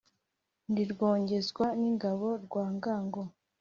ndi rwogezwa n'ingabo rwa ngango,